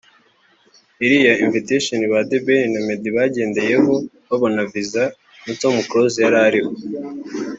Iriya invitation ba The Ben na Meddy bagendeyeho babona visa na Tom Close yari ariho